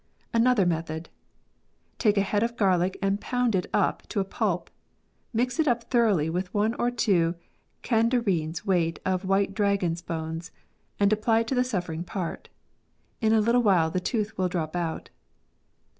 ANOTHER METHOD. " Take a head of garlic and pound it up to a pulp. Mix it up thoroughly with one or two candareens' weight of white dragon's bones, and apply it to the suffering part. In a little while the tooth will drop out."